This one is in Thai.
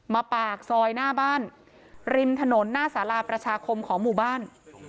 ปากซอยหน้าบ้านริมถนนหน้าสาราประชาคมของหมู่บ้าน